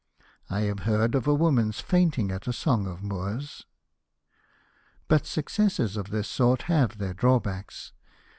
I have heard of a woman's fainting at a song of Moore's.'* But successes of this sort have their drawbacks.